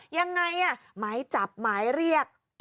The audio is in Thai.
ยังไงหมายจับหมายเรียก